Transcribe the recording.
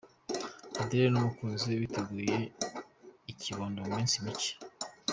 Adele n'umukunzi we biteguye ikibondo mu minsi mike.